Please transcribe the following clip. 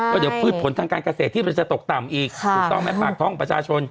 ก็เดี๋ยวพืชผลทางการเกษตรที่มันจะตกต่ำอีกถูกต้องไหมปากท่องประชาชน